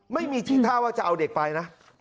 ไม่มีทีท่าว่าจะเอาเด็กไปนะ